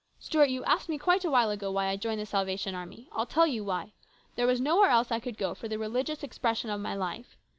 Stuart, you asked me quite awhile ago why I joined the Salvation Army. I'll tell you why. There was nowhere else I could go for the religious expression of my life.